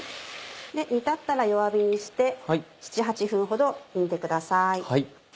煮立ったら弱火にして７８分ほど煮てください。